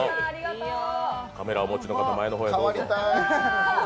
カメラをお持ちの方前の方へどうぞ。